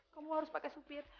kamu harus pakai supir